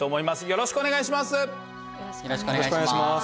よろしくお願いします。